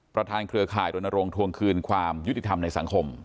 เครือข่ายรณรงค์ทวงคืนความยุติธรรมในสังคม